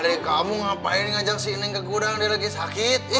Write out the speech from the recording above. adek kamu ngapain ngajak si neng ke gudang dia lagi sakit